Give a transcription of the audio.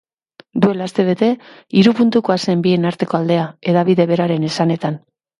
Duela astebete hiru puntukoa zen bien artekoa aldea, hedabide beraren esanetan.